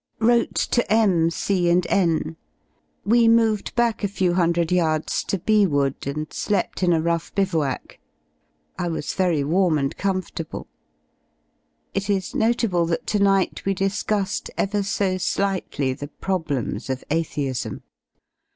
Wrote to M , C , and N We moved back a few i J{ ^^^ hundred yards to B Wood and slept in a rough bivouac. J I was very warm and comfortable. 1 1 is notable that to night we discussed ever so slightly the problems of atheism.